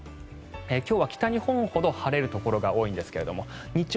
今日は北日本ほど晴れるところが多いですが日中、